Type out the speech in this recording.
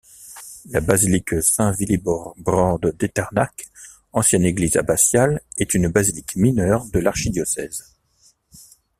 La basilique Saint-Willibrord d'Echternach, ancienne église abbatiale, est une basilique mineure de l'archidiocèse.